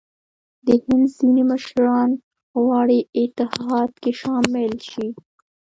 د هند ځیني مشران غواړي اتحاد کې شامل شي.